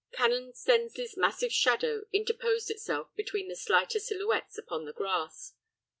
Canon Stensly's massive shadow interposed itself between the slighter silhouettes upon the grass.